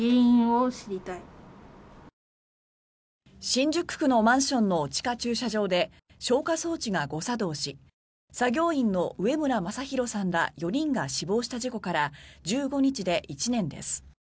新宿区のマンションの地下駐車場で消火装置が誤作動し作業員の上邨昌弘さんら４人が死亡した事故から１５日で１年です。